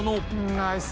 ナイス。